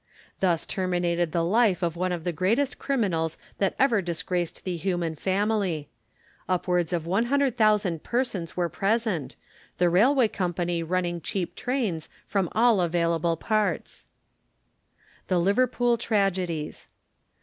Thus terminated the life of one of the greatest criminals that ever disgraced the human family. Upwards of 100,000 persons were present, the railway company running cheap trains from all available parts. THE LIVERPOOL TRAGEDIES.